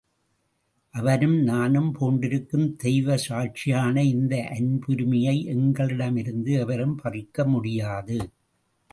அவரும் நானும் பூண்டிருக்கும் தெய்வ சாட்சியான இந்த அன்புரிமையை எங்களிடமிருந்து எவரும் பறிக்க முடியாது.